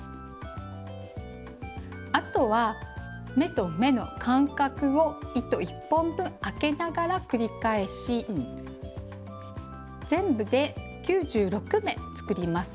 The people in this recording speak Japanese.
あとは目と目の間隔を糸１本分あけながら繰り返し全部で９６目作ります。